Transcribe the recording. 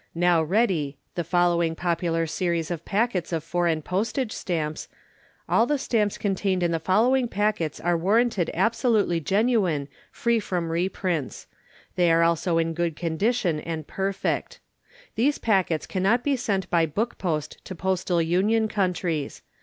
_ NOW READY, the following Popular Series of PACKETS OF FOREIGN POSTAGE STAMPS _All the Stamps contained in the following Packets are warranted absolutely genuine, free from reprints. They are also in good condition and perfect._ These Packets cannot be sent by book post to Postal Union Countries.